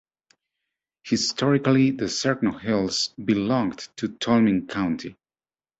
Historically, the Cerkno Hills belonged to Tolmin County.